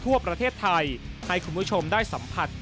ทั่วประเทศไทยให้คุณผู้ชมได้สัมผัส